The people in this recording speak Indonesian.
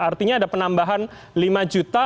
artinya ada penambahan lima juta